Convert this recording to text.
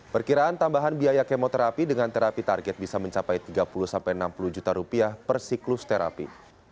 perkiraan tambahan biaya kemoterapi dengan terapi target bisa mencapai tiga puluh enam puluh juta rupiah per siklus terapi